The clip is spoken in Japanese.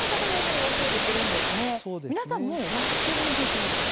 皆さんもう終わってるんでしょうか。